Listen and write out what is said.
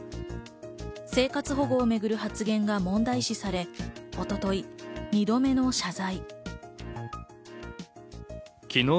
生活保護をめぐる発言が問題視され、一昨日、２度目の謝罪。